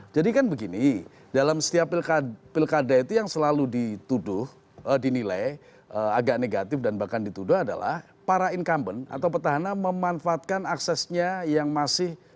jadi kan begini dalam setiap pilkada itu yang selalu dituduh dinilai agak negatif dan bahkan dituduh adalah para incumbent atau petahana memanfaatkan aksesnya yang masih